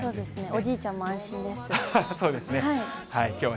おじいちゃんも安心です。